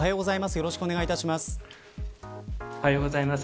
よろしくお願いします。